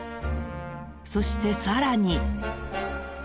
［そしてさらに］